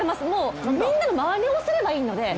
みんなのまねをすればいいので。